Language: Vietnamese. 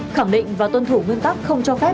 khẳng định và tuân thủ nguyên tắc không cho phép